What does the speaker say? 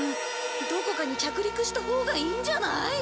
どこかに着陸したほうがいいんじゃない？